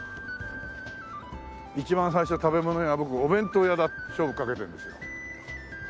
一番最初食べ物屋僕お弁当屋だって勝負かけてるんですよ。